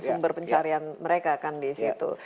sumber pencarian mereka kan di situ